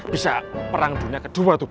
bisa perang dunia kedua tuh